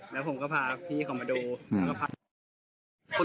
และผมก็พาพี่เขามาดู